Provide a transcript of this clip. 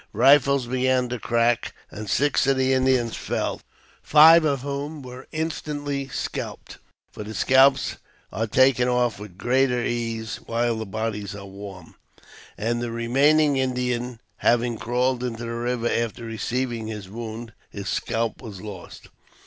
Eifles began to crack, and six of the Indians fell, five of whom were instantly scalped (for the scalps are taken off with greater ease while the bodies are warm) ; and the remaining Indian, having crawled into the river after receiving his wound, his scalp was lost.